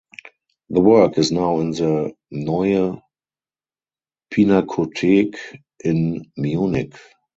The work is now in the Neue Pinakothek in Munich.